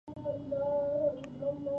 دوی وخت په وخت د چاپیریال ساتونکي لیږدوي